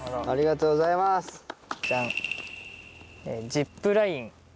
ありがとうございます。